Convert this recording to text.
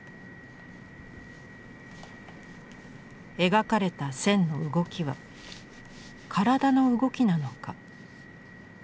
描かれた線の動きは身体の動きなのか？